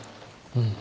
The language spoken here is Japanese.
うん。